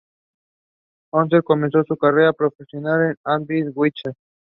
Hoffer comenzó su carrera profesional en el Admira Wacker.